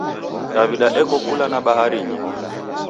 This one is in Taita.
Daw'ida eko kula na baharinyi.